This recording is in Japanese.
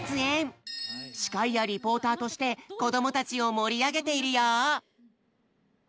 司会やリポーターとして子どもたちを盛り上げているよ！